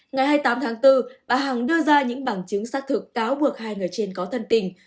ngày hai mươi tám tháng bốn bà hằng đưa ra những bằng chứng xác thực cáo buộc hai người trên có thân tình